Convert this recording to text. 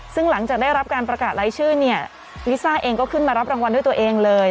ซึ่งหลังจากได้รับการประกาศรายชื่อเนี่ยลิซ่าเองก็ขึ้นมารับรางวัลด้วยตัวเองเลย